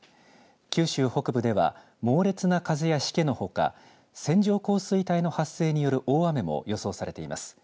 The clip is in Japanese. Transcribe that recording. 九州北部では猛烈な風やしけのほか線状降水帯の発生による大雨も予想されています。